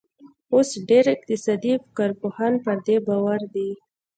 اوس ډېر اقتصادي کارپوهان پر دې باور دي